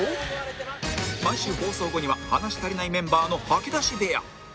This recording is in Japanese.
毎週放送後には話し足りないメンバーの「吐き出し部屋」